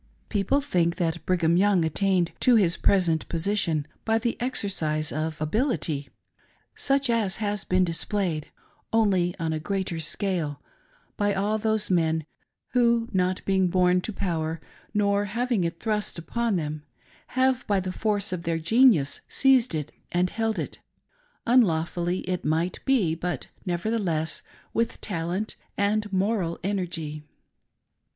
People think that Brigham Young attained to his present position by the exercise of ability, such as has been displayed^ only on a greater scale, by all those men, who, not being born to power, nor having it thrust upon them, have by the force of their genius seized it and held it — unlawfully it might be, buty nevertheless, with talent and moral energy.